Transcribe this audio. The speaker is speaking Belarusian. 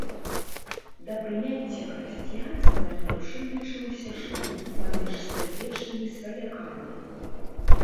Да прыняцця хрысціянства лепшым лічыўся шлюб паміж стрыечнымі сваякамі.